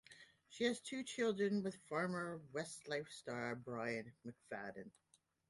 She has two children with former Westlife star Brian McFadden.